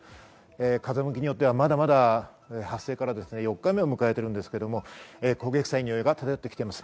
風向きによってはまだまだ発生から４日目を迎えているんですけれども、焦げ臭いにおいが漂ってきています。